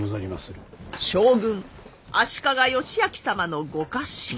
将軍足利義昭様のご家臣。